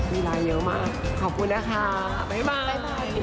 มีเวลาเยอะมากขอบคุณนะค่ะบ๊ายบาย